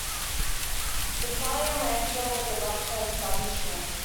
The Italian rancho was a bachelor establishment.